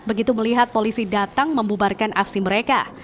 begitu melihat polisi datang membubarkan aksi mereka